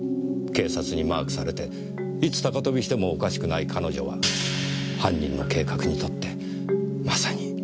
警察にマークされていつ高飛びしてもおかしくない彼女は犯人の計画にとってまさに適役だったのでしょう。